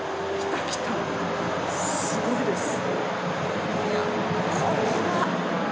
すごいです。